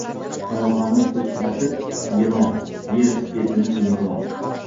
Oyoqlarini tipirchilatib yig‘ladi. Yer tepinib yig‘ladi.